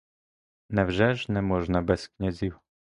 Невже ж не можна без князів?